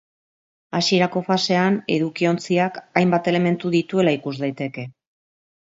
Hasierako fasean edukiontziak hainbat elementu dituela ikus daiteke.